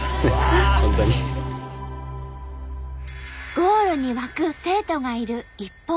ゴールに沸く生徒がいる一方で。